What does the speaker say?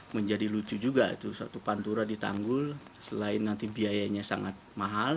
menjadi lucu juga satu pantura ditanggul selain nanti biayanya sangat mahal